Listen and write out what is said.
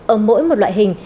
ở mỗi một loại hình